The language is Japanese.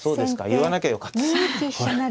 言わなきゃよかった。